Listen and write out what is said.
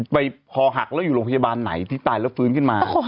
ไปพอหักแล้วอยู่โรงพยาบาลไหนที่ตายแล้วฟื้นขึ้นมา